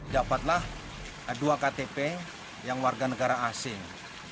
dapatlah dua ktp yang warga negara asing